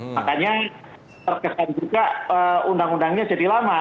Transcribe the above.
makanya terkesan juga undang undangnya jadi lama